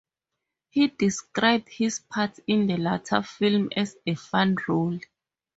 He described his part in the latter film as a "fun role".